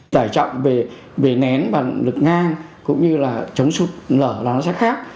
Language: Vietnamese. tải trọng về nén và lực ngang cũng như là chống sụt lở là nó sẽ khác